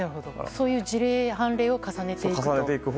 そういう事例・判例を重ねていくと。